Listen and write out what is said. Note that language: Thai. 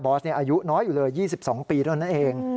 บอสอายุน้อยอยู่เลย๒๒ปีแล้วนั่นเอง